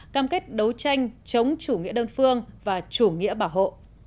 cam kết đấu tranh chống chủ nghĩa đơn phương và chủ nghĩa bảo hộ